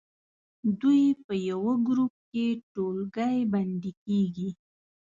دوی په یوه ګروپ کې ټولګی بندي کیږي.